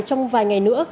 trong vài ngày nữa